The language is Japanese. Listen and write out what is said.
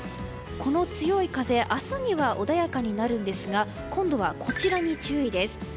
この強い風明日には穏やかになるんですが今度は、こちらに注意です。